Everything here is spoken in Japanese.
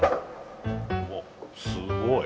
おすごい。